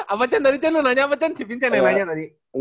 apa cen tadi cen lu nanya apa cen si vincent yang nanya tadi